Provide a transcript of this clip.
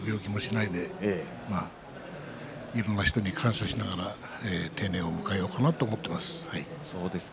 いろいろな人に感謝しながら定年を迎えようかなと思っています。